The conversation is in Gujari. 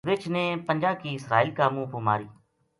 رِچھ نے پنجا کی اسرائیل کا منہ پو ماری